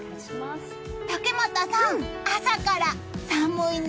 竹俣さん、朝から寒いね。